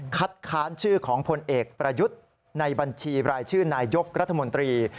ค้านชื่อของพลเอกประยุทธ์ในบัญชีรายชื่อนายยกรัฐมนตรี